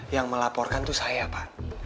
yang melaporkan itu saya pak